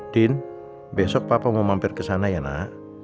din besok papa mau mampir kesana ya nak